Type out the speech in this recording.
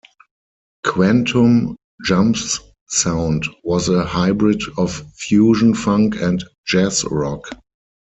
Quantum Jump's sound was a hybrid of fusion, funk, and jazz rock.